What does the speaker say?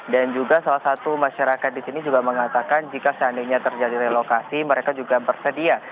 dan juga salah satu masyarakat di sini juga mengatakan jika seandainya terjadi relokasi mereka juga bersedia